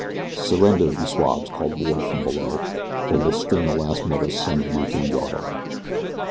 "Surrender! You swabs," called Ward from below, "or we'll string the last mother's son of you to the yardarm."